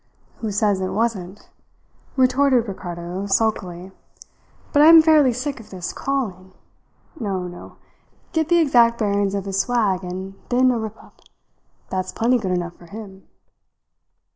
"Who says it wasn't?" retorted Ricardo sulkily. "But I am fairly sick of this crawling. No! No! Get the exact bearings of his swag and then a rip up. That's plenty good enough for him."